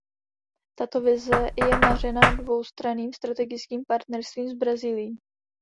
Tato vize je mařena dvoustranným strategickým partnerstvím s Brazílií.